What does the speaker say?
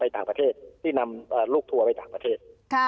ที่นำลูกทัวร์ไปต่างประเทศ